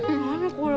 これ。